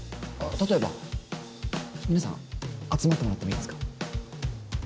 例えば皆さん集まってもらってもいいですか？